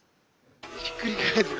ひっくり返る？